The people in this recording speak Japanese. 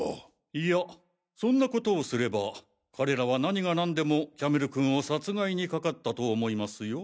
いやそんな事をすれば彼らは何がなんでもキャメル君を殺害にかかったと思いますよ。